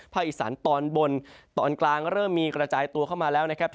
อีสานตอนบนตอนกลางเริ่มมีกระจายตัวเข้ามาแล้วนะครับ